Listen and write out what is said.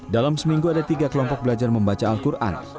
dalam seminggu ada tiga kelompok belajar membaca al quran